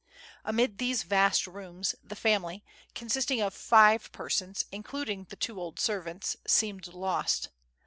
Amid these vast rooms the family, consisting of five persons including the two old servants, seemed lost.